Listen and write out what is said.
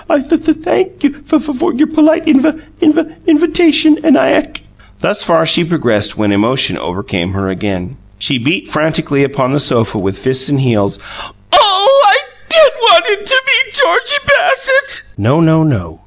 "I thu thank you fu for your polite invu invu invutation; and I ac " Thus far she progressed when emotion overcame her again. She beat frantically upon the sofa with fists and heels. "Oh, I DID want it to be Georgie Bassett!" "No, no, no!"